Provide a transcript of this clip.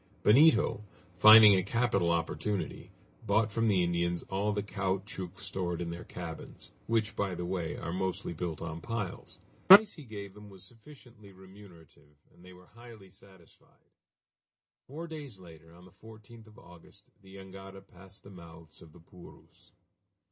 Benito, finding a capital opportunity, bought from the Indians all the caoutchouc stored in their cabins, which, by the way, are mostly built on piles. The price he gave them was sufficiently remunerative, and they were highly satisfied. Four days later, on the 14th of August, the jangada passed the mouths of the Purus.